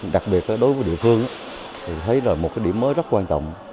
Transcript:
đặc biệt đối với địa phương thì thấy rồi một cái điểm mới rất quan trọng